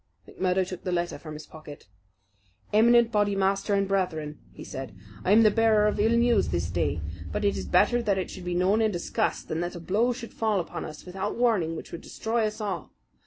McMurdo took the letter from his pocket. "Eminent Bodymaster and Brethren," he said, "I am the bearer of ill news this day; but it is better that it should be known and discussed, than that a blow should fall upon us without warning which would destroy us all.